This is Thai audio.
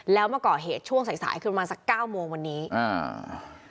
แล้วมาก่อเหตุช่วงสายสายขึ้นมาสักเก้าโมงวันนี้อ่า